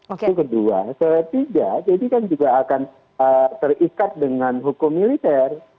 itu kedua ketiga jadi kan juga akan terikat dengan hukum militer